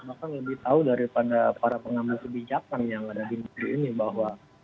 bahkan lebih tahu daripada para pengambil kebijakan yang ada di negeri ini bahwa